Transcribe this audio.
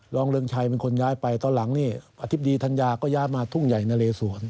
เริงชัยเป็นคนย้ายไปตอนหลังนี่อธิบดีธัญญาก็ย้ายมาทุ่งใหญ่นะเลสวน